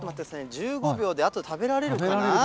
１５秒であと食べられるかな？